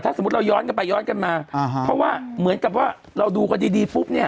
สมมุติเราย้อนกันไปย้อนกันมาเพราะว่าเหมือนกับว่าเราดูกันดีดีปุ๊บเนี่ย